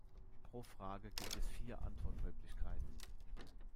Pro Frage gibt es vier Antwortmöglichkeiten.